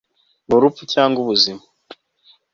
Ni urupfu cyangwa ni ubuzima